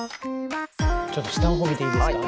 ちょっと下の方見ていいですか？